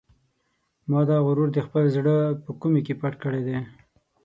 ما دا غرور د خپل زړه په کومې کې پټ کړی دی.